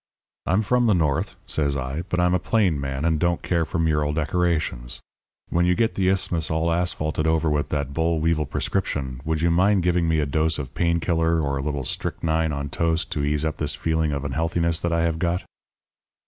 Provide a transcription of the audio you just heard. "'I'm from the North,' says I, 'but I'm a plain man, and don't care for mural decorations. When you get the Isthmus all asphalted over with that boll weevil prescription, would you mind giving me a dose of pain killer, or a little strychnine on toast to ease up this feeling of unhealthiness that I have got?"